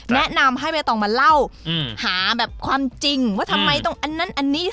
แนะนำให้ใบตองมาเล่าหาแบบความจริงว่าทำไมต้องอันนั้นอันนี้